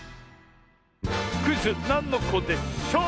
クイズ「なんのこでショー」！